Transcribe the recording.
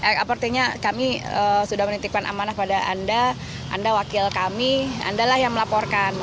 apa artinya kami sudah menitipkan amanah pada anda anda wakil kami anda yang melaporkan